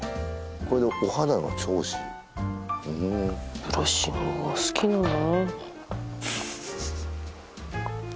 これでお肌の調子ふんブラッシングが好きなんだね